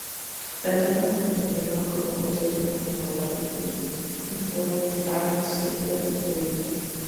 La etapa culminó con un concierto en el Lafayette Performing Arts Center de Florida.